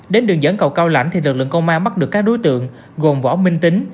đến đường dẫn cầu cao lãnh thì lực lượng công an bắt được các đối tượng gồm võ minh tính